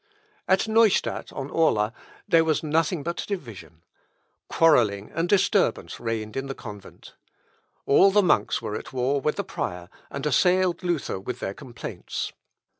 At Neustadt on Orla there was nothing but division. Quarrelling and disturbance reigned in the convent. All the monks were at war with the prior, and assailed Luther with their complaints.